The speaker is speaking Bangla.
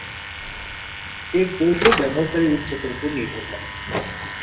এর দৈর্ঘ্য ব্যবহারকারীর উচ্চতার উপর নির্ভর করে।